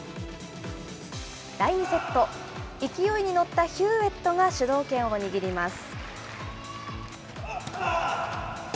第２セット、勢いに乗ったヒューウェットが主導権を握ります。